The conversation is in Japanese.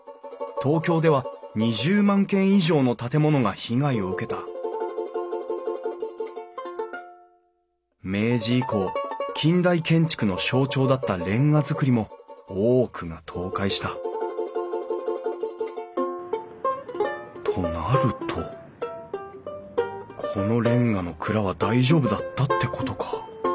東京では２０万軒以上の建物が被害を受けた明治以降近代建築の象徴だった煉瓦造りも多くが倒壊したとなるとこのれんがの蔵は大丈夫だったってことか。